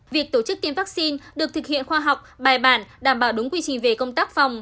việc tổ chức tiêm vaccine được thực hiện khoa học bài bản đảm bảo đúng quy trình về công tác phòng